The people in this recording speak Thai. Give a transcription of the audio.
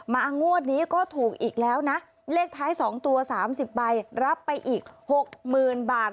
มางวดนี้ก็ถูกอีกแล้วนะเลขท้ายสองตัวสามสิบใบรับไปอีกหกหมื่นบาท